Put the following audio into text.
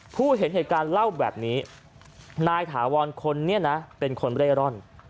ผู้เห็นเหตุการณ์เล่าแบบนี้นายถาวรคนนี้นะเป็นคนเร่ร่อน